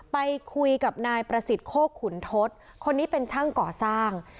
ไปคุยกับนายประสิทธิ์โคกขุนทศคนนี้เป็นช่างก่อสร้าง